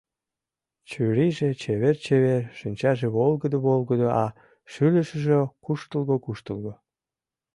Чурийже чевер-чевер, шинчаже волгыдо-волгыдо, а шӱлышыжӧ куштылго-куштылго.